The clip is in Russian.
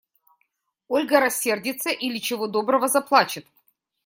Ольга рассердится или, чего доброго, заплачет.